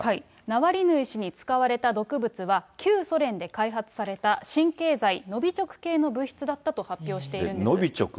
ナワリヌイ氏に使われた毒物は、旧ソ連で開発された神経剤、ノビチョク系の物質だったと発表しているんです。